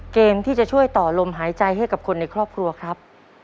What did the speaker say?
เกมที่จะช่วยต่อลมหายใจให้กับคนในครอบครัวครับ